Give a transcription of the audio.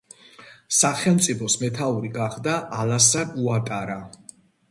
სახელმწიფოს მეთაური გახდა ალასან უატარა.